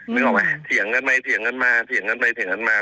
นึกออกไหมเถียงกันไปเถียงกันมาเถียงกันไปเถียงกันมา